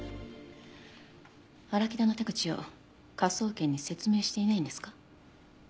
荒木田の手口を科捜研に説明していないんですか？